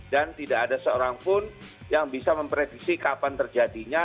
dan tidak ada seorang pun yang bisa memprediksi kapan terjadinya